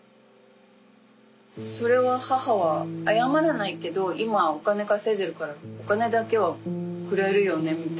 それは母は謝らないけど今はお金稼いでるからお金だけはくれるよねみたいに。